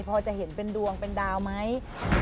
พอจะเห็นเป็นดวงเป็นดาวไหม